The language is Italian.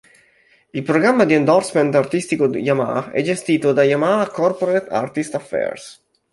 Il programma di endorsement artistico Yamaha è gestito da Yamaha Corporate Artist Affairs.